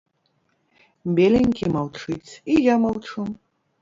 Беленькі маўчыць, і я маўчу.